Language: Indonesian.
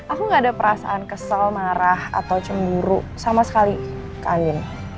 aku gak ada perasaan kesel marah atau cemburu sama sekali ke angin